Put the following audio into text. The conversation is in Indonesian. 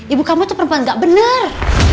ibu kamu tuh perempuan nggak bener